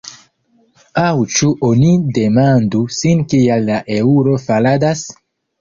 Aŭ ĉu oni demandu sin kial la eŭro faladas?